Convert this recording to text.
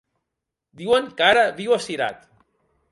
Diuen que ara viu a Cirat.